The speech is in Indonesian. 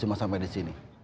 semua sampai di sini